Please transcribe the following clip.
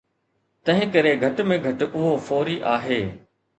تنهنڪري گهٽ ۾ گهٽ اهو فوري آهي